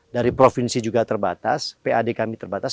dari provinsi juga terbatas pad kami terbatas